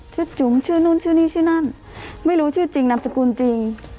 จุ๋มชื่อนู่นชื่อนี่ชื่อนั่นไม่รู้ชื่อจริงนามสกุลจริง